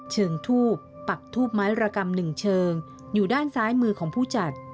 เชิงทูบปักทูบไม้ระกรรมหนึ่งเชิงอยู่ด้านซ้ายมือของผู้จัด